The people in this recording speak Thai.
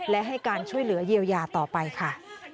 และให้การช่วยเหลือเยียวยาต่อไปค่ะ